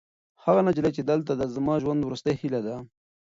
هغه نجلۍ چې دلته ده، زما د ژوند وروستۍ هیله ده.